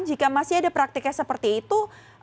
jika masih ada praktiknya seperti itu